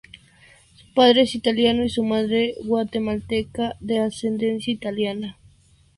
Su padre es italiano y su madre guatemalteca de ascendencia italiana.